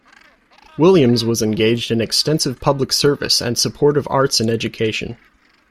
Williams was engaged in extensive public service and support of arts and education.